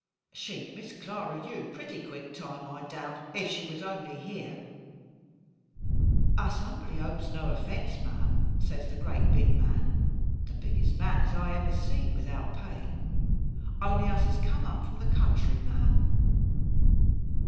She'd Miss Clara you, pretty quick time, I doubt, if she was only here.' 'Us humbly hopes no offence, ma'am,' says the great big man, the biggest man as ever I see without paying, 'only us has come up from the country, ma'am.